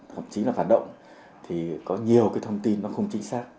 thậm chí là phản động thì có nhiều cái thông tin nó không chính xác